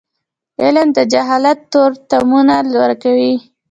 علم د جهالت تورتمونه ورکوي.